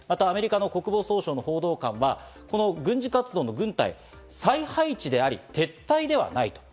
アメリカの国防総省の報道官は軍事活動の軍隊、再配置であり、撤退ではない。